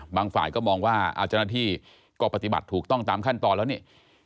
ฝ่ายก็มองว่าเจ้าหน้าที่ก็ปฏิบัติถูกต้องตามขั้นตอนแล้วนี่